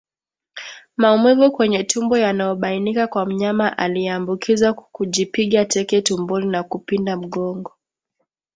Maumivu kwenye tumbo yanayobainika kwa mnyama aliyeambukizwa kujipiga teke tumboni na kupinda mgongo